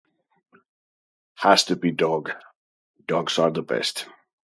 Has to be dog. Dogs are the best.